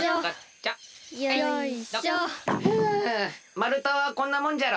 まるたはこんなもんじゃろ。